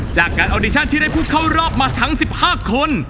จากการออดิชั่นที่ได้ผู้เข้ารอบมาทั้ง๑๕คน